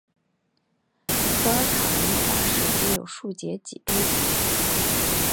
普尔塔龙的化石只有数节脊椎。